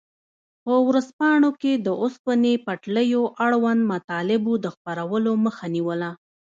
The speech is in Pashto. په ورځپاڼو کې د اوسپنې پټلیو اړوند مطالبو د خپرولو مخه نیوله.